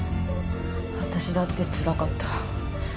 私だってつらかった。